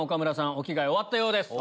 お着替え終わったようです。